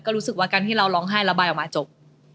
รู้สึกว่าการที่เราร้องไห้ระบายออกมาจบ